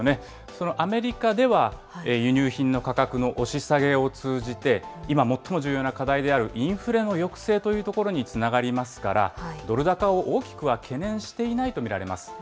そのアメリカでは、輸入品の価格の押し下げを通じて、今最も重要な課題であるインフレの抑制というところにつながりますから、ドル高を大きくは懸念していないと見られます。